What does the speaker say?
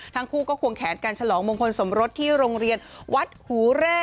ทั้งคู่ก็ควงแขนกันฉลองมงคลสมรสที่โรงเรียนวัดหูแร่